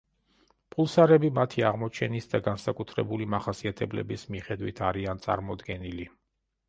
პულსარები მათი აღმოჩენის და განსაკუთრებული მახასიათებლების მიხედვით არიან წარმოდგენილი.